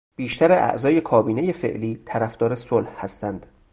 بیشتر اعضای کابینهی فعلی طرفدار صلح هستند.